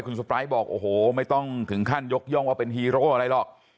คุณสปายบอกโอ้โหไม่ต้องถึงขั้นยกย่องว่าเป็นฮีโร่อะไรหรอก